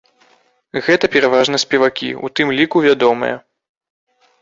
Гэта пераважна спевакі, у тым ліку вядомыя.